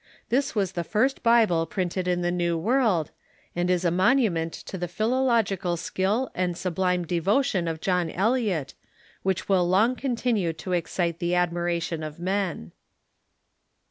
This was the first Bible printed in the New World, and is a monument to the philo logical skill and sublime devotion of John Eliot, which Avill long continue to excite the admiration of men.